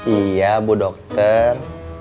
iya bu dokter